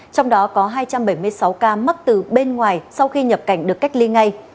trong đó có hai trăm bảy mươi sáu ca mắc từ bên ngoài sau khi nhập cảnh được cách ly ngay